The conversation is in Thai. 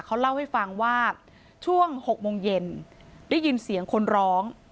เขาเล่าให้ฟังว่าช่วง๖โมงเย็นได้ยินเสียงคนร้อง